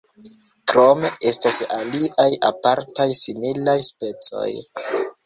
Krome estas aliaj apartaj similaj specoj.